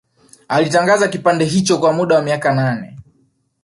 Alitangaza kipindi hicho kwa muda wa miaka nane